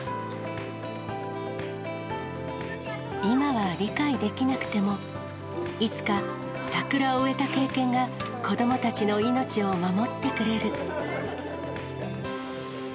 今は理解できなくても、いつか、桜を植えた経験が、子どもたちの命を守ってくれる。